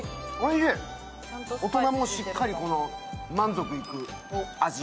大人もしっかり満足いく味。